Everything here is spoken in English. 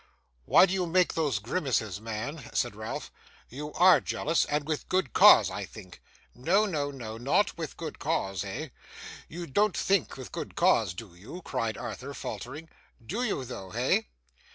'Why do you make those grimaces, man?' said Ralph; 'you ARE jealous and with good cause I think.' 'No, no, no; not with good cause, hey? You don't think with good cause, do you?' cried Arthur, faltering. 'Do you though, hey?